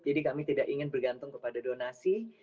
jadi kami tidak ingin bergantung kepada donasi